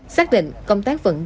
sắc định công tác vận chuyển lãm